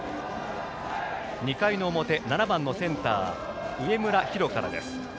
２回の表、７番のセンター上村陽大からです。